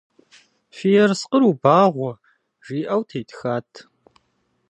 «Фи ерыскъыр убагъуэ», - жиӏэу тетхат.